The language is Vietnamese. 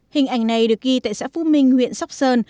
hình ảnh này được ghi tại xã phú minh huyện sóc sơn